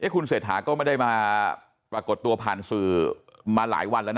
คุณเศรษฐาก็ไม่ได้มาปรากฏตัวผ่านสื่อมาหลายวันแล้วนะ